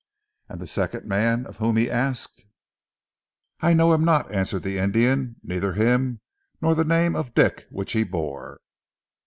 "And the second man of whom he asked?" "I know him not!" answered the Indian, "neither him nor the name of Dick which he bore."